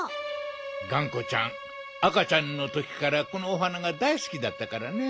がんこちゃんあかちゃんのときからこのお花がだいすきだったからね。